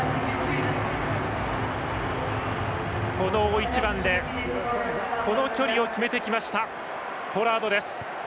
この大一番でこの距離を決めてきたポラード。